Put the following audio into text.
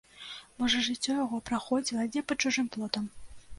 Можа, жыццё яго праходзіла дзе пад чужым плотам!